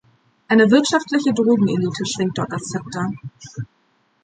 Eine wirtschaftliche Drogenelite schwingt dort das Zepter.